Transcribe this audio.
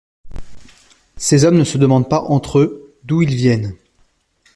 Ces hommes ne se demandent pas entre eux d'où ils viennent.